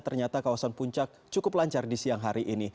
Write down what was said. ternyata kawasan puncak cukup lancar di siang hari ini